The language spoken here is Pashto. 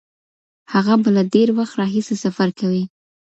هغه به له ډیر وخت راهیسې سفر کوي.